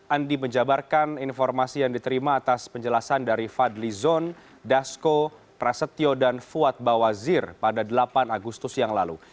andi menjabarkan informasi yang diterima atas penjelasan dari fadli zon dasko prasetyo dan fuad bawazir pada delapan agustus yang lalu